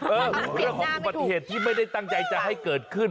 เรื่องของอุบัติเหตุที่ไม่ได้ตั้งใจจะให้เกิดขึ้น